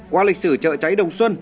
qua lịch sử chợ cháy đồng xuân